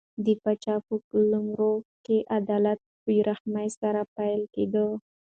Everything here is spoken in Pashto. د پاچا په قلمرو کې عدالت په بې رحمۍ سره پلی کېده.